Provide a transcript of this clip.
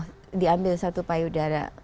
oh diambil satu payudara